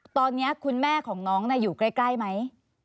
ตอนนี้คุณแม่ของน้องอยู่ใกล้ไหม